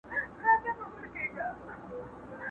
ویل ځه مخته دي ښه سلا مُلاجانه؛